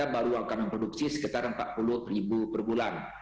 baru akan memproduksi sekitar empat puluh ribu per bulan